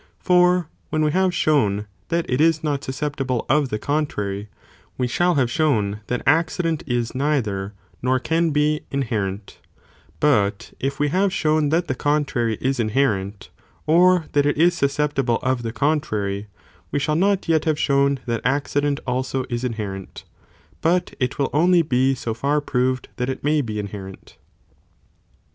For when we have shown that it is not susceptible of the contrary, we shall have shown that accident is neither, nor can be, inherent; but if we have shown that the contrary is inherent, or that it is susceptible of the contrary, we shall not yet have shown that accident also is inherent, but it will only be so far proved that it may be inherent.